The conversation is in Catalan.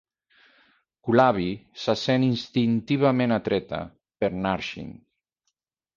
Gulabi se sent instintivament atreta per Narsingh.